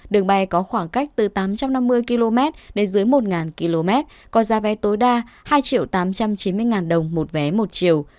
đường bay có khoảng cách từ tám trăm năm mươi km đến dưới một km có giá vé tối đa hai tám trăm chín mươi đồng một vé một chiều